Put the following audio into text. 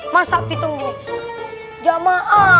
masa pitungnya jamah